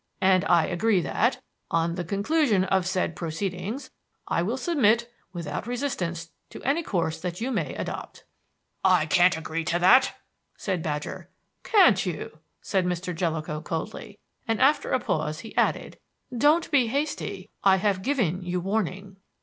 And I agree that, on the conclusion of the said proceedings, I will submit without resistance to any course that you may adopt." "I can't agree to that," said Badger. "Can't you?" said Mr. Jellicoe coldly; and after a pause he added: "Don't be hasty. I have given you warning."